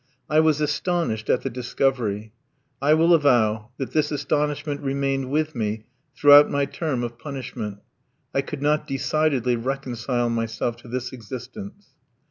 I was astonished at the discovery. I will avow that this astonishment remained with me throughout my term of punishment. I could not decidedly reconcile myself to this existence.